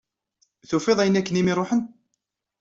Tufiḍ ayen akken i am-iruḥen?